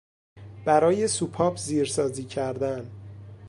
برای سوپاپ زیرسازی کردن